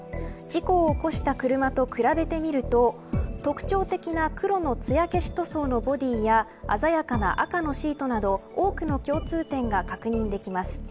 事故を起こした車と比べてみると特徴的な黒のつや消し塗装のボディーや鮮やかな赤のシートなど多くの共通点が確認できます。